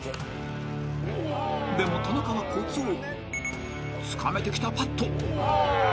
［でも田中はコツをつかめてきたパット］